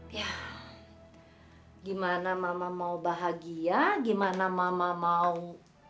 ya gimana mama mau bahagia gimana mama mau